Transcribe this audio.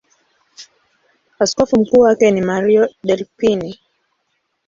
Askofu mkuu wake ni Mario Delpini.